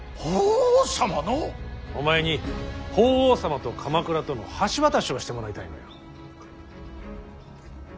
お前に法皇様と鎌倉との橋渡しをしてもらいたいのよ。